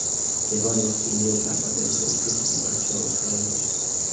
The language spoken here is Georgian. მდებარეობს იმიერკარპატების ოლქის მუკაჩევოს რაიონში.